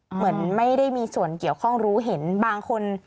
เหมือนไม่ได้มีส่วนเกี่ยวข้องรู้เห็นบางคน